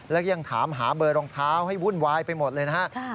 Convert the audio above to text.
แล้วก็ยังถามหาเบอร์รองเท้าให้วุ่นวายไปหมดเลยนะฮะ